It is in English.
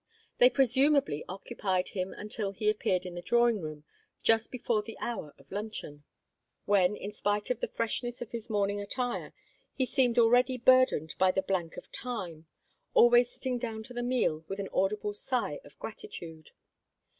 They presumably occupied him until he appeared in the drawing room, just before the hour of luncheon, when, in spite of the freshness of his morning attire, he seemed already burdened by the blank of time, always sitting down to the meal with an audible sigh of gratitude.